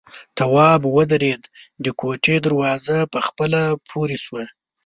تواب ودرېد، د کوټې دروازه په خپله پورې شوه.